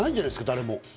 誰も。